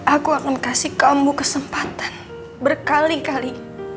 aku akan kasih kamu kesempatan berkali kali